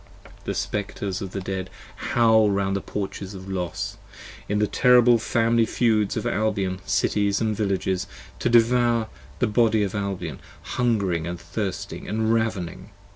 The Spectres of the Dead howl round the porches of Los, 45 In the terrible Family feuds of Albion's cities & villages, To devour the Body of Albion, hung'ring & thirsting & rav'ning.